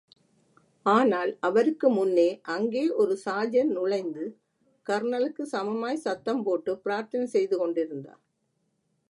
ஆனால், அவருக்கு முன்னே, அங்கே ஒரு சார்ஜெண்ட் நுழைந்து கர்னலுக்கு சமமாய் சத்தம் போட்டு பிரார்த்தனை செய்து கொண்டிருந்தார்.